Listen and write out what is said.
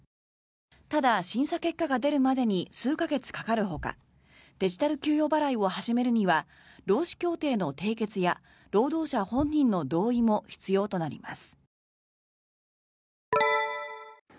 ただ、審査結果が出るまでに数か月かかるほかデジタル給与払いを始めるには労使協定の締結や労働者本人の同意も必要となります。